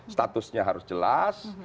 statusnya harus jelas